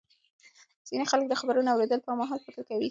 ځینې خلک د خبرونو اورېدو پر مهال فکر کوي.